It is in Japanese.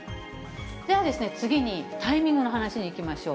じゃあ、次にタイミングの話にいきましょう。